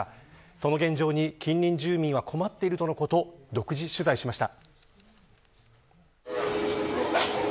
その現状に近隣住民は困っているということ独自取材しました。